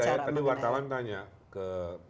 saya tadi wartawan tanya ke